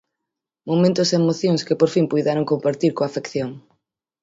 Momentos e emocións que por fin puideron compartir coa afección...